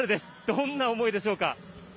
どんな思いでしょうか？